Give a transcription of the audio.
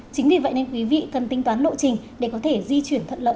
chính vì vậy nên quý vị cần tính toán lộ trình để có thể di chuyển thuận lợi